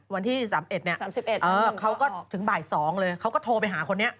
วันที่๓๑เนี่ย๓๑เขาก็ถึงบ่าย๒เลยเขาก็โทรไปหาคนนี้